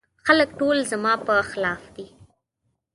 خلګ ټول زما په خلاف دي.